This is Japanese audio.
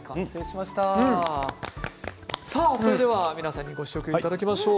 それでは皆さんにご試食いただきましょう。